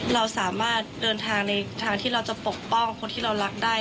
เราสามารถเดินทางในทางที่เราจะปกป้องคนที่เรารักได้